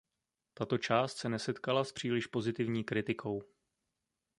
Tato část se nesetkala s příliš pozitivní kritikou.